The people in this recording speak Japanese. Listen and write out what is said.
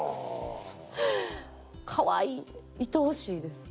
かわいいいとおしいです。